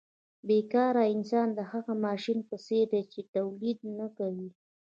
بې کاره انسان د هغه ماشین په څېر دی چې تولید نه کوي